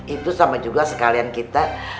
itu sama juga sekalian kita